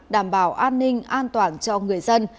đảm bảo an ninh an toàn cho người dân